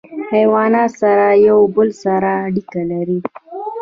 حیوانات سره یو بل سره اړیکه لري.